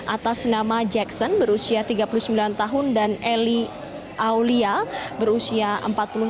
atas nama jackson berusia tiga puluh sembilan tahun dan eli aulia berusia empat puluh tahun